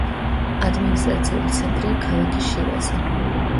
ადმინისტრაციული ცენტრია ქალაქი შირაზი.